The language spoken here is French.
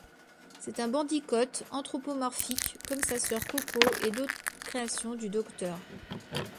C'est un bandicoot anthropomorphique, comme sa sœur Coco et d'autres créations du Dr.